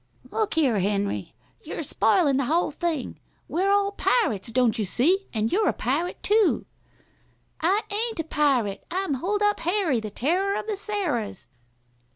"Look here, Henry, you're spoilin' the whole thing. We're all pirates, don't you see, and you're a pirate too." "I ain't a pirate. I'm Hold up Harry, the Terrar of the Sarahs."